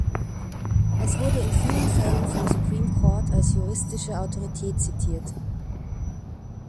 Es wurde in vielen Fällen vom Supreme Court als juristische Autorität zitiert.